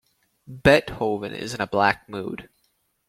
Beethoven is in a black mood.